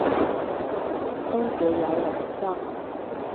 都幾有良心